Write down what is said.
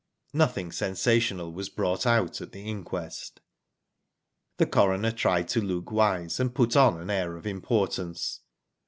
Nothing sensational was brought out at the inquest. The coroner tried to look wise, and put on an air of importance.